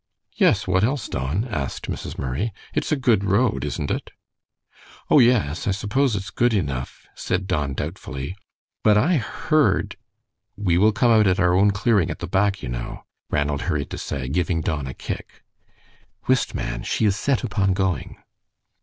"Yes, what else, Don?" asked Mrs. Murray. "It is a good road, isn't it?" "Oh, yes, I suppose it is good enough," said Don, doubtfully, "but I heard " "We will come out at our own clearing at the back, you know," Ranald hurried to say, giving Don a kick. "Whist, man! She is set upon going."